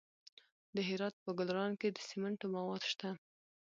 د هرات په ګلران کې د سمنټو مواد شته.